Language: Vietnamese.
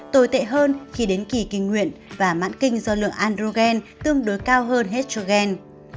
tồi tệ hơn khi đến kỳ kinh nguyện và mãn kinh do lượng androgen tương đối cao hơn estrogen